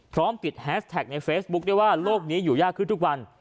พร้อมติดแฮสแท็กในเฟซบุ๊คด้วยว่าโลกนี้อยู่ยากขึ้นทุกวัน